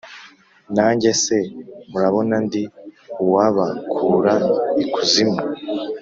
Nanjye se, murabona ndi uwabakura ikuzimu,